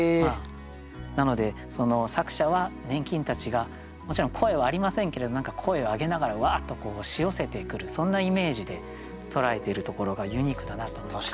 なので作者は粘菌たちがもちろん声はありませんけれど何か声を上げながらわっと押し寄せてくるそんなイメージで捉えているところがユニークだなと思いました。